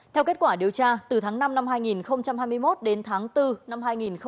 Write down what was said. theo kết quả điều tra từ tháng năm năm hai nghìn hai mươi một đến tháng bốn năm hai nghìn hai mươi ba